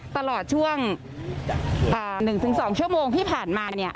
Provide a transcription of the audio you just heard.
ตลอดช่วงอ่าหนึ่งถึงสองชั่วโมงที่ผ่านมาเนี้ย